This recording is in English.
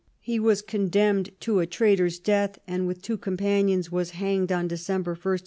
He was con demned to a traitor's death, and, with two com panions, was hanged on December i, 1581.